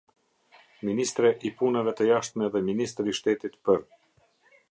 Ministre i Punëve të Jashtme dhe Ministër i Shtetit për.